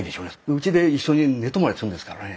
うちで一緒に寝泊まりするんですからね。